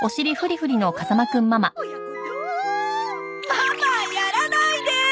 ママやらないで！